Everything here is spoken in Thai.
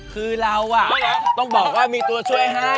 คือเราต้องบอกว่ามีตัวช่วยให้